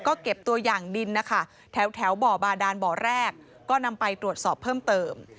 ก็เก็บตัวอย่างดินนะคะแถวบ่อบาดานบ่อแรกก็นำไปตรวจสอบเพิ่มเติม